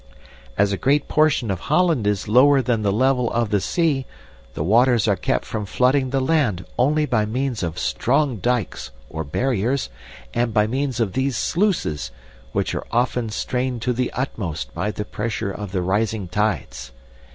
As a great portion of Holland is lower than the level of the sea, the waters are kept from flooding the land only by means of strong dikes, or barriers, and by means of these sluices, which are often strained to the utmost by the pressure of the rising tides.